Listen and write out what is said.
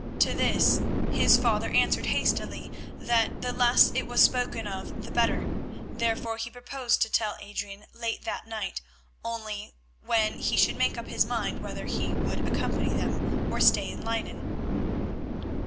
To this his father answered hastily that the less it was spoken of the better, therefore he proposed to tell Adrian late that night only, when he could make up his mind whether he would accompany them or stay in Leyden.